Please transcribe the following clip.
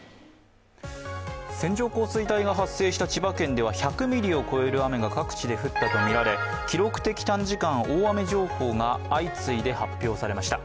線状降水帯が発生した千葉県では１００ミリを超える雨が各地で降ったということで記録的短時間大雨情報が相次いで発表されました。